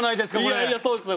いやいやそうですね